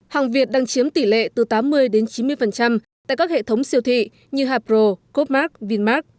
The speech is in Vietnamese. hàng việt đang chiếm tỷ lệ từ tám mươi chín mươi tại các hệ thống siêu thị như hapro copemark vinmark